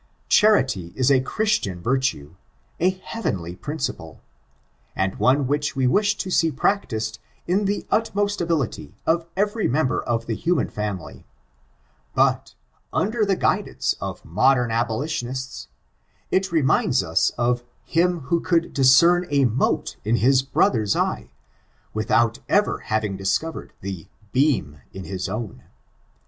Charity is a Christian virtue, a heavenly principle, and one which v^ wish to see practiced to the utmost ability of every member of the human family ; but, under the guidance of modern abolitionists, it reminds us of him who could j discern a mote in his brother's eye, without ever hav ing discovered the beam in his own.